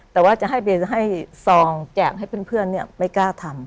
แต่ว่าจะให้ซองแจกให้เพื่อนไม่กล้าทำ